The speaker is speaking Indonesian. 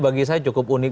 bagi saya cukup unik